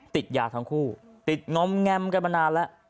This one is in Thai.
ติดยาทั้งคู่ติดงอมแงมกันมานานแล้ว